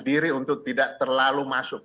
diri untuk tidak terlalu masuk